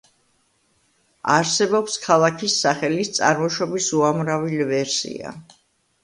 არსებობს ქალაქის სახელის წარმოშობის უამრავი ვერსია.